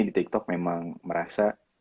di tiktok memang merasa